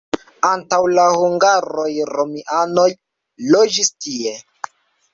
Antaŭ la hungaroj romianoj loĝis tie.